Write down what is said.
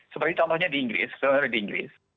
seperti contohnya di inggris